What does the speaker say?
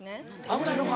危ないのか。